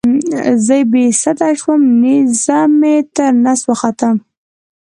زه بې سده شوم نیزه مې تر نس وخوته.